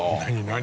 何？